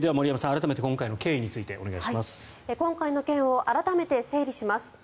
改めて今回の経緯について今回の件を改めて整理します。